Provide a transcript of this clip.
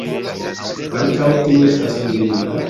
Ankaŭ tio estas mirinda.